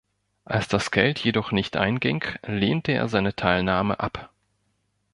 Als das Geld jedoch nicht einging, lehnte er seine Teilnahme ab.